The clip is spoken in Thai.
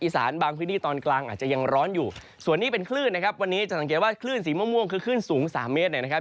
สานบางพื้นที่ตอนกลางอาจจะยังร้อนอยู่ส่วนนี้เป็นคลื่นนะครับวันนี้จะสังเกตว่าคลื่นสีม่วงคือคลื่นสูง๓เมตรเนี่ยนะครับ